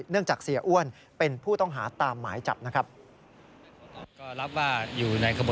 จากเสียอ้วนเป็นผู้ต้องหาตามหมายจับนะครับ